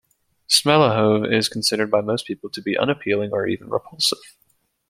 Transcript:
"Smalahove" is considered by most people to be unappealing or even repulsive.